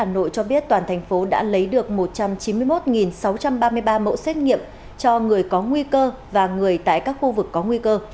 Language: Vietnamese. hà nội cho biết toàn thành phố đã lấy được một trăm chín mươi một sáu trăm ba mươi ba mẫu xét nghiệm cho người có nguy cơ và người tại các khu vực có nguy cơ